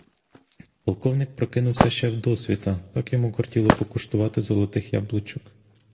Полковник прокинувся ще вдосвіта: так йому кортіло покуштувати золотих яблучок.